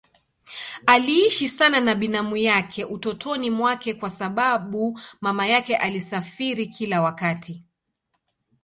Aliishi sana na binamu yake utotoni mwake kwa sababu mama yake alisafiri kila wakati.